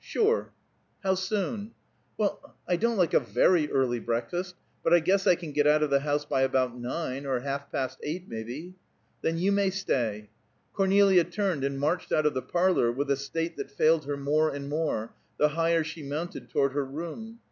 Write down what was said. "Sure." "How soon?" "Well, I don't like a very early breakfast, but I guess I can get out of the house by about nine, or half past eight, maybe." "Then you may stay." Cornelia turned and marched out of the parlor with a state that failed her more and more, the higher she mounted toward her room.